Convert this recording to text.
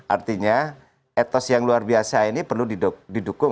artinya etos yang luar biasa ini perlu didukung